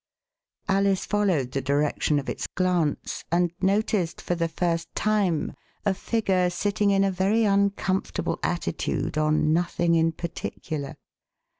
Alice followed the direction of its glance and noticed for the first time a figure sitting in a very uncomfortable attitude on nothing in particular.